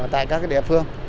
tại các địa phương